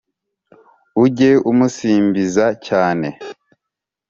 ujye umusimbiza cyane